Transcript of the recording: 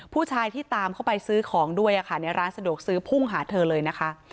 ผู้ชายที่ตามเข้าไปซื้อของด้วยในร้านสะดวกซื้อพุ่งหาเธอเลยนะคะ